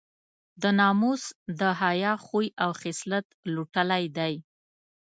د ناموس د حیا خوی او خصلت لوټلی دی.